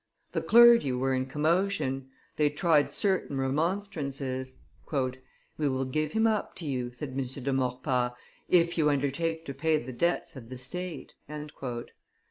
The clergy were in commotion; they tried certain remonstrances. "We will give him up to you," said M. de Maurepas, "if you undertake to pay the debts of the state."